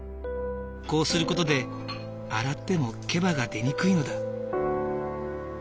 こうする事で洗ってもけばが出にくいのだ。